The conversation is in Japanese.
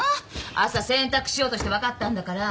朝洗濯しようとして分かったんだから。